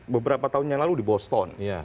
beberapa tahun yang lalu di boston